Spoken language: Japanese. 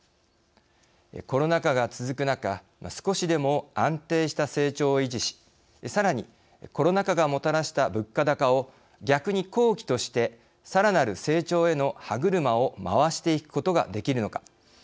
コロナ禍が続く中少しでも安定した成長を維持しさらに、コロナ禍がもたらした物価高を逆に好機としてさらなる成長への歯車を回していくことができるのか。